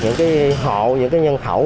những cái hộ những cái nhân khẩu